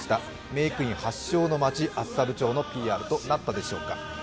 メークイン発祥の街、厚沢部町のＰＲとなったでしょうか？